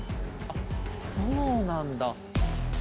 あ、そうなんだ。